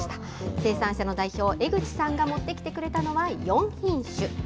生産者の代表、江口さんが持ってきてくれたのは４品種。